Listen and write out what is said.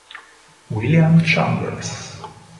William Chambers